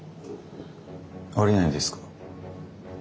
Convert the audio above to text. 降りないんですか？